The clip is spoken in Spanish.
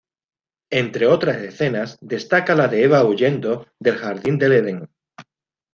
Entre otras escenas destaca la de Eva huyendo del Jardín del Eden.